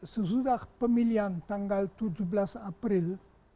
sesudah pemilihan tanggal tujuh belas april